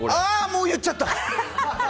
もう言っちゃった！